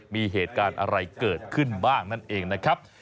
มีเหตุการณ์อะไรเกิดขึ้นบ้างนั่นเองนะครับ